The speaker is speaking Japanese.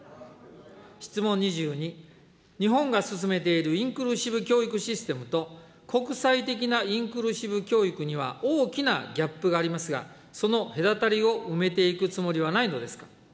質問２２、日本が進めているインクルーシブ教育システムと、国際的なインクルーシブ教育には大きなギャップがありますが、その隔たりを埋めていくつもりはないのですか。